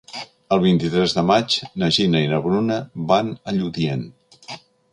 El vint-i-tres de maig na Gina i na Bruna van a Lludient.